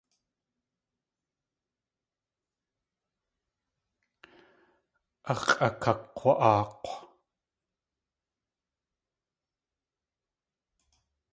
Ax̲ʼakakg̲wa.aak̲w.